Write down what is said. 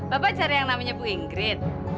bapak cari yang namanya ibu ingrid